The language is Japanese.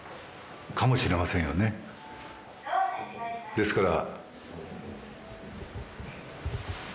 ですから。